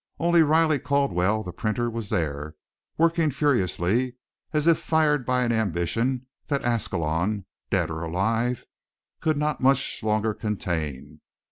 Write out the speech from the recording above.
Only Riley Caldwell, the printer, was there, working furiously, as if fired by an ambition that Ascalon, dead or alive, could not much longer contain.